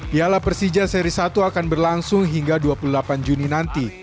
piala persija seri satu akan berlangsung hingga dua puluh delapan juni nanti